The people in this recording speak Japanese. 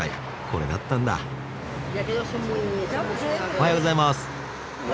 おはようございます。